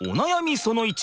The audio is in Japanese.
その１。